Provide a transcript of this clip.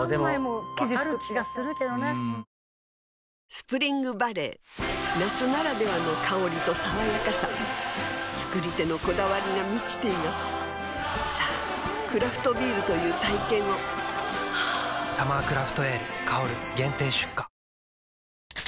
スプリングバレー夏ならではの香りと爽やかさ造り手のこだわりが満ちていますさぁクラフトビールという体験を「サマークラフトエール香」限定出荷